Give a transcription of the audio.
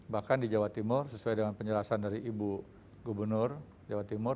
bahkan di jawa timur sesuai dengan penjelasan dari ibu gubernur jawa timur